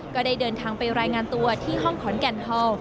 ก็ได้เดินทางไปรายงานตัวที่ห้องขอนแก่นฮอล